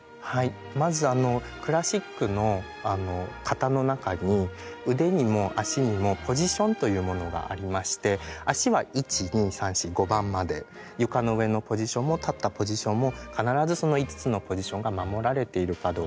まずクラシックの型の中に腕にも足にもポジションというものがありまして足は１２３４５番まで床の上のポジションも立ったポジションも必ずその５つのポジションが守られているかどうか。